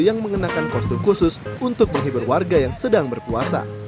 yang mengenakan kostum khusus untuk menghibur warga yang sedang berpuasa